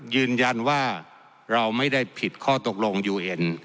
ยืนยันว่าเราไม่ได้ผิดข้อตกลงยูเอ็น